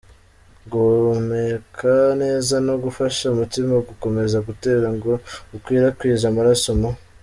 guhumeka neza no gufasha umutima gukomeza gutera ngo ukwirakwize amaraso mu